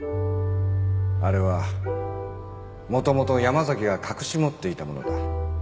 あれはもともと山崎が隠し持っていたものだ。